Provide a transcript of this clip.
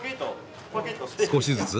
少しずつ？